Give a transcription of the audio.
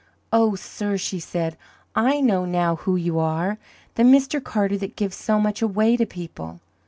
"Oh, sir," she said, "I know now who you are the Mr. Carter that gives so much away to people!"